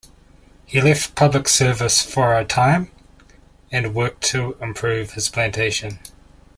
He left public service for a time, and worked to improve his plantation.